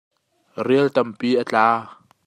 Rial tampi a tla.